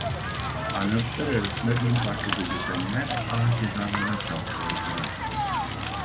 Arnavutlar arasında din farkı gözetenler ağır cezalara çarptırıldılar.